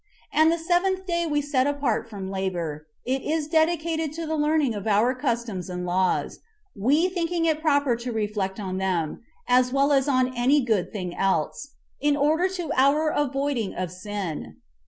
And the seventh day we set apart from labor; it is dedicated to the learning of our customs and laws, 1 we thinking it proper to reflect on them, as well as on any [good] thing else, in order to our avoiding of sin.